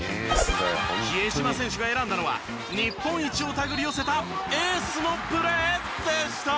比江島選手が選んだのは日本一を手繰り寄せたエースのプレーでした。